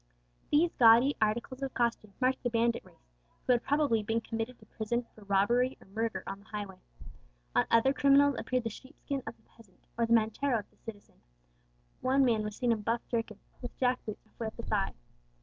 These gaudy articles of costume marked the bandit race, who had probably been committed to prison for robbery or murder on the highway. On other criminals appeared the sheep skin of the peasant, or the mantero of the citizen; one man was seen in buff jerkin, with jack boots reaching half way up his thigh.